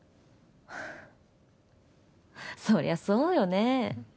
そりゃそうよねえ